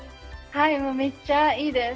はい、めっちゃいいです！